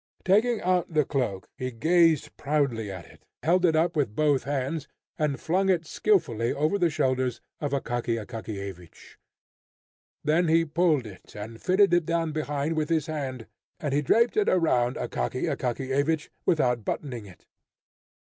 Taking out the cloak, he gazed proudly at it, held it up with both hands, and flung it skilfully over the shoulders of Akaky Akakiyevich. Then he pulled it and fitted it down behind with his hand, and he draped it around Akaky Akakiyevich without buttoning it.